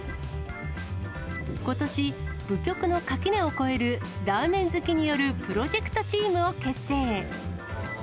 ことし、部局の垣根を越えるラーメン好きによるプロジェクトチームを結成。